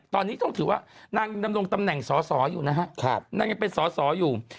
ตอนนี้ต้องถือว่านางดำรงตำแหน่งสอสออยู่นะฮะนางยังเป็นสอสออยู่